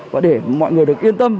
và để mọi người được yên tâm